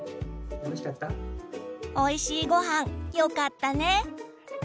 おいしいごはんよかったね！